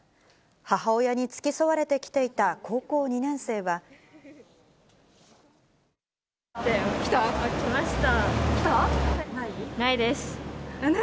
母親に付き添われて来ていた高校２年生は。来た？来ました。